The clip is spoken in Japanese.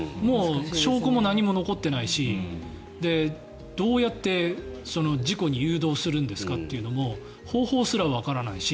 証拠も何も残ってないしどうやって事故に誘導するんですかっていうのも方法すらわからないし。